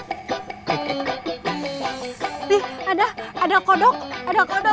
tapi ada ada kodok ada kodok